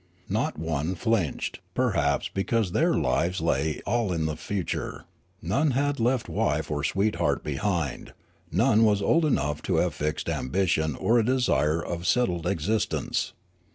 Not one flinched, perhaps because their liv^es lay all in the future ; none had left wife or sweetheart behind, none was old enough to have fixed ambition or a desire of settled existence.